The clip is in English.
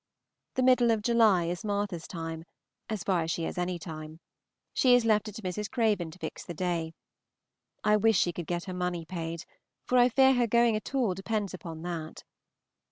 The middle of July is Martha's time, as far as she has any time. She has left it to Mrs. Craven to fix the day. I wish she could get her money paid, for I fear her going at all depends upon that.